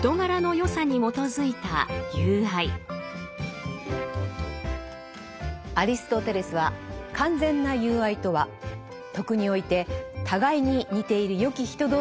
これはアリストテレスは完全な友愛とは徳において互いに似ている善き人同士のものだと言います。